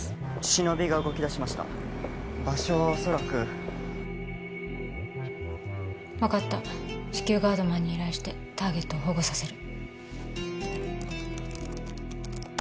シノビが動きだしました場所は恐らく分かった至急ガードマンに依頼してターゲットを保護させる